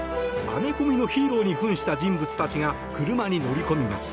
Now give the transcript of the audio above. アメコミのヒーローに扮した人物たちが車に乗り込みます。